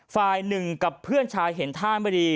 ฝ่ายหนึ่งกับเพื่อนชายเห็นท่าไม่ดี